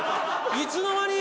いつの間に？